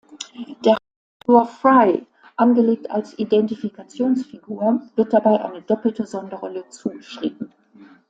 Der Hauptfigur Fry, angelegt als Identifikationsfigur, wird dabei eine doppelte Sonderrolle zugeschrieben.